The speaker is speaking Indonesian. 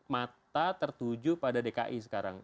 mata tertuju pada dki sekarang